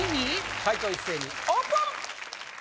解答一斉にオープン！